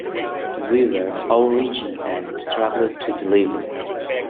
We were overreaching and struggled to deliver.